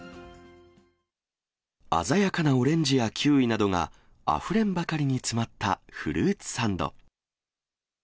鮮やかなオレンジやキウイなどがあふれんばかりに詰まったフルーツサンド。